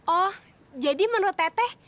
oh jadi menurut teteh